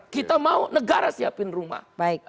kita mau negara siapin rumah